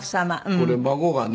これ孫がね